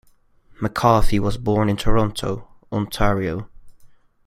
McCarthy was born in Toronto, Ontario.